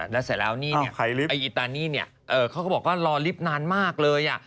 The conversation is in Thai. แล้วเสร็จแล้วนี่ไอ้อีตานี่เขาก็บอกว่ารอลิฟต์นานมากเลย